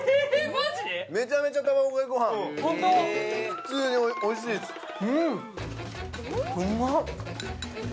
普通においしいですうん！